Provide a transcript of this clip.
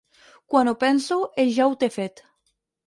Quan ho penso, ell ja ho té fet.